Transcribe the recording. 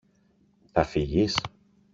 Θα φύγεις;